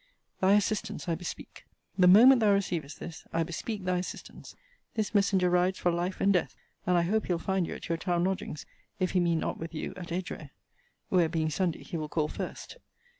Thy assistance I bespeak. The moment thou receivest this, I bespeak thy assistance. This messenger rides for life and death and I hope he'll find you at your town lodgings; if he meet not with you at Edgware; where, being Sunday, he will call first.